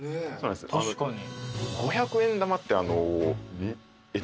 確かに。